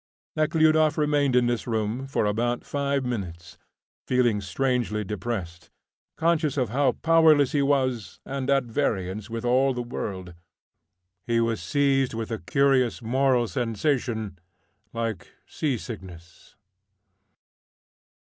Nekhludoff remained in this room for about five minutes, feeling strangely depressed, conscious of how powerless he was, and at variance with all the world. He was seized with a curious moral sensation like seasickness.